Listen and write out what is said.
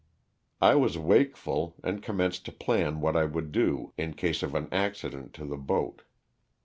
I was wakeful, and commenced to plan what I would do in case of an accident to the boat.